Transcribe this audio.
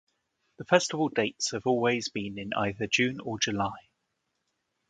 The festival dates have always been in either June or July.